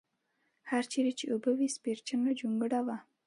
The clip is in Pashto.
هر چېرې چې اوبه وې سپېرچنه جونګړه وه.